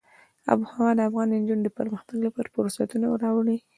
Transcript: آب وهوا د افغان نجونو د پرمختګ لپاره فرصتونه راولي.